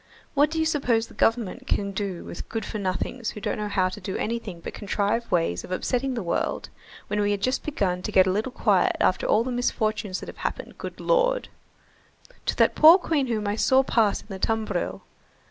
What do you suppose the Government can do with good for nothings who don't know how to do anything but contrive ways of upsetting the world, when we had just begun to get a little quiet after all the misfortunes that have happened, good Lord! to that poor queen whom I saw pass in the tumbril!